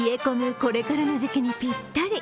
これからの時期にぴったり。